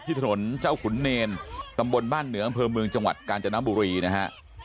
ถนนเจ้าขุนเนรตำบลบ้านเหนืออำเภอเมืองจังหวัดกาญจนบุรีนะฮะ